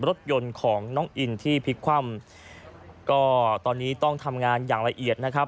รถยนต์ของน้องอินที่พลิกคว่ำก็ตอนนี้ต้องทำงานอย่างละเอียดนะครับ